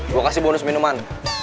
gue kasih bonus minuman